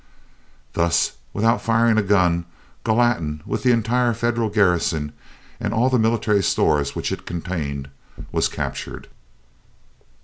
Thus without firing a gun Gallatin, with the entire Federal garrison and all the military stores which it contained, was captured.